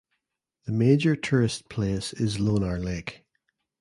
The major tourist place is Lonar Lake.